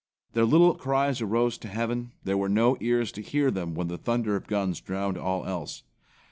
Their little cries arose to heaven, there were no ears to hear them when the thunder of guns drowned all else.